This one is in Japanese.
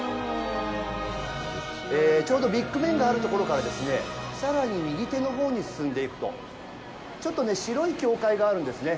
ちょうどビッグベンがあるところから、さらに右手のほうに進んでいくと、ちょっと白い教会があるんですね。